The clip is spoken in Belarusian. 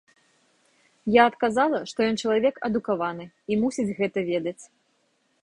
Я адказала, што ён чалавек адукаваны, і мусіць гэта ведаць.